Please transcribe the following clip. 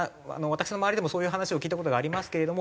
私の周りでもそういう話を聞いた事がありますけれども。